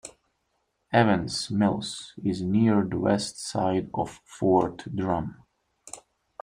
Evans Mills is near the west side of Fort Drum.